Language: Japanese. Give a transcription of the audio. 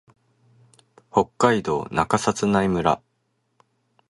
北海道中札内村